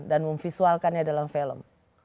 dan memvisualkannya dalam film